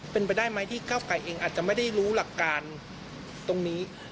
เป็นไปได้ไหมที่เก้าไกรเองอาจจะไม่ได้รู้หลักการตรงนี้